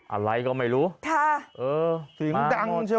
อะไรก็ไม่รู้